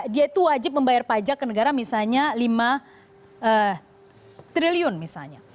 dia itu wajib membayar pajak ke negara misalnya lima triliun misalnya